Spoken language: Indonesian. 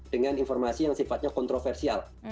dengan informasi yang sifatnya kontroversial